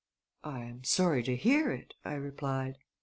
"I am sorry to hear it," I replied.